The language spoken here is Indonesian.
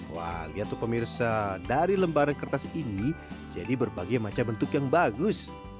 wah lihat tuh pemirsa dari lembaran kertas ini jadi berbagai macam bentuk yang bagus